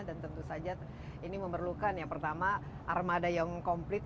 dan tentu saja ini memerlukan yang pertama armada yang komplit